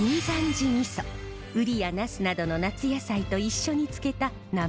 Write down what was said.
ウリやナスなどの夏野菜と一緒に漬けたなめみそです。